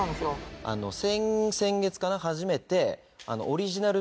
先々月かな初めて。